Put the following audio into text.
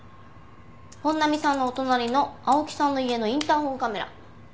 本並さんのお隣の青木さんの家のインターホンカメラ。